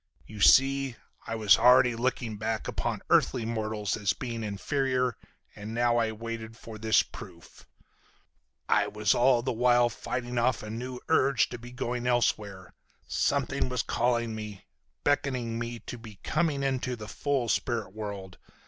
You see, I was already looking back upon earthly mortals as being inferior, and now as I waited for this proof I was all the while fighting off a new urge to be going elsewhere. Something was calling me, beckoning me to be coming into the full spirit world.